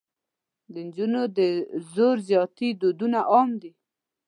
د نجونو د زور زیاتي ودونه عام دي.